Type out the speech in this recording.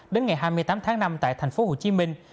đến ngày hai mươi tám tháng năm tại thành phố hồ chí minh